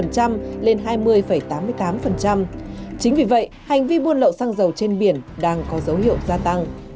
chính vì vậy hành vi buôn lậu xăng dầu trên biển đang có dấu hiệu gia tăng